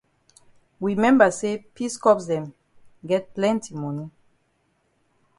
We memba say peace corps dem get plenti moni.